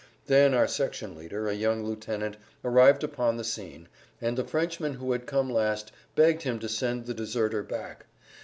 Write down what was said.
Then our section leader, a young lieutenant, arrived upon the scene, and the Frenchman who had come last begged him to send the deserter back.